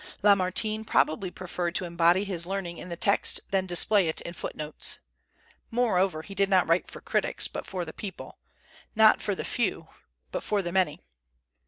Lamartine probably preferred to embody his learning in the text than display it in foot notes. Moreover, he did not write for critics, but for the people; not for the few, but for the many.